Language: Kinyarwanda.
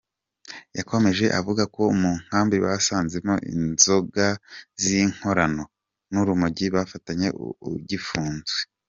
Yakomeje avuga ko mu nkambi basanzemo inzoga z’inkorano n’urumogi bafatanye ugifunzwe.